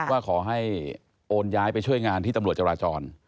ว่าขอให้โอนย้ายไปช่วยงานที่ตำรวจจราจร